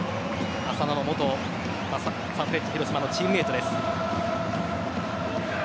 浅野の元サンフレッチェ広島のチームメイトです。